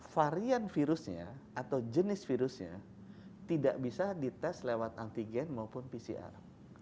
varian virusnya atau jenis virusnya tidak bisa dites lewat antigen maupun pcr